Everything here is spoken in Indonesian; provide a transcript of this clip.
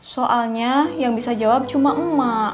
soalnya yang bisa jawab cuma emak